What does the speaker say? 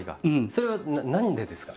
それは何でですか？